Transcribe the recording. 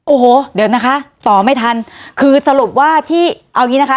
โอ้โหเดี๋ยวนะคะต่อไม่ทันคือสรุปว่าที่เอางี้นะคะ